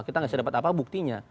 kita nggak bisa dapat apa buktinya